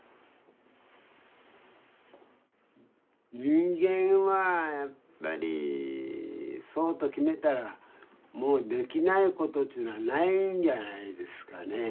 人間はやっぱりそうと決めたらもうできないことちゅうのはないんじゃないですかね。